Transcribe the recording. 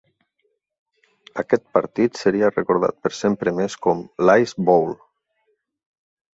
Aquest partit seria recordat per sempre més com l'"Ice Bowl".